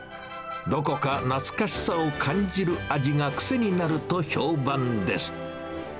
どこか懐かしさを感じる味が癖になると評判です。